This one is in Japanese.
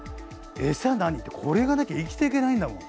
餌何ってこれがなきゃ生きていけないんだもん。